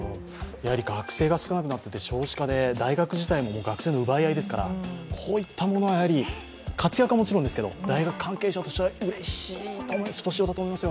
学生が少なくなってきて少子化で、大学も学生の奪い合いですから、こういったものは活躍はもちろんですけど、大学関係者としてはうれしさひとしおだと思いますよ。